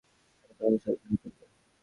এটা তোমাকে স্বাধীন করে তুলবে।